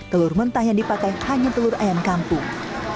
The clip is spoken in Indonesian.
telur mentah yang dipakai hanya telur ayam kampung